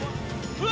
うわ！